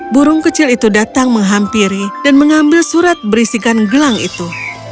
burung kecil itu datang menghampiri dan mengambil surat berisikan gelang itu